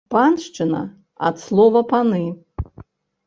Паншчына ад слова паны.